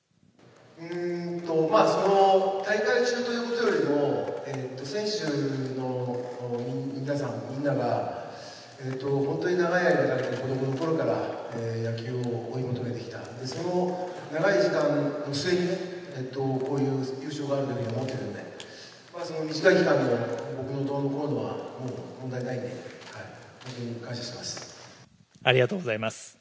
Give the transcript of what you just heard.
その大会中ということよりも、選手の皆さん、みんなが、本当に長い間、子どものころから野球を追い求めてきた、その長い時間の末にね、こういう優勝があるというふうに思っているので、その短い期間の僕のどうのこうのは本当に、問題ないんで、本当にありがとうございます。